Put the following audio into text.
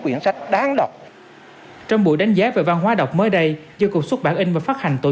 quyển sách đáng đọc trong buổi đánh giá về văn hóa đọc mới đây do cuộc xuất bản in và phát hành tổ